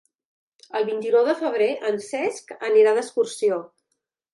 El vint-i-nou de febrer en Cesc irà d'excursió.